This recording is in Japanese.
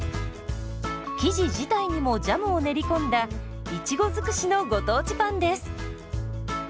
生地自体にもジャムを練り込んだいちご尽くしのご当地パンです。